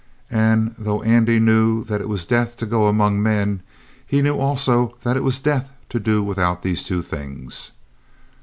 And though Andy knew that it was death to go among men, he knew also that it was death to do without these two things.